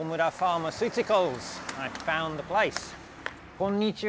こんにちは。